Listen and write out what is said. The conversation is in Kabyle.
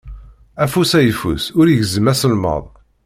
Afus ayeffus ur igezzem azelmaḍ.